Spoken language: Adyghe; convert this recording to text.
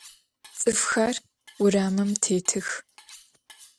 Ts'ıfxer vuramım têtıx.